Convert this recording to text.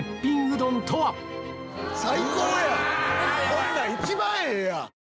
こんなん一番ええやん。